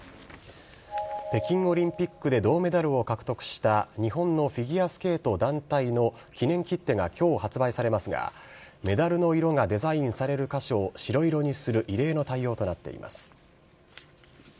北京オリンピックで銅メダルを獲得した日本のフィギュアスケート団体の記念切手がきょう発売されますが、メダルの色がデザインされる箇所を白色にする異例の対応となっています。